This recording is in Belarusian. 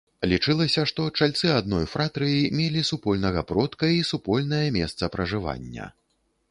Лічылася, што чальцы адной фратрыі мелі супольнага продка і супольнае месца пражывання.